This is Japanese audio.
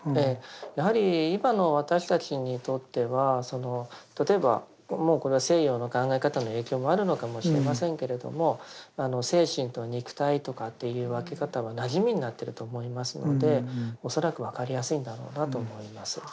やはり今の私たちにとっては例えばもうこれは西洋の考え方の影響もあるのかもしれませんけれども精神と肉体とかっていう分け方はなじみになってると思いますので恐らく分かりやすいんだろうなと思います。